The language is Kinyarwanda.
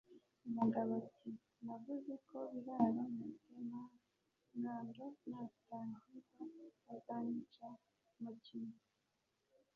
umugabo ati: "Navuze ko Biraro Mutemangando natankiza azanyica mo kimwe;